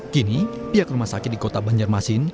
kini pihak rumah sakit di kota banjarmasin